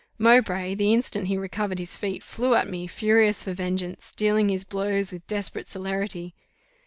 Mowbray, the instant he recovered his feet, flew at me, furious for vengeance, dealing his blows with desperate celerity.